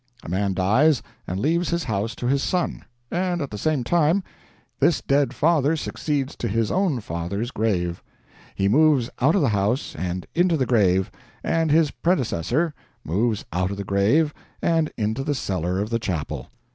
A man dies and leaves his house to his son and at the same time, this dead father succeeds to his own father's grave. He moves out of the house and into the grave, and his predecessor moves out of the grave and into the cellar of the chapel.